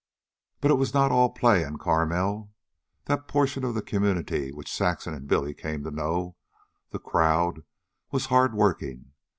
But it was not all play in Carmel. That portion of the community which Saxon and Billy came to know, "the crowd," was hard working.